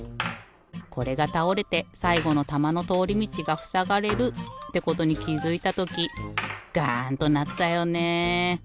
これがたおれてさいごのたまのとおりみちがふさがれるってことにきづいたときガンとなったよねえ。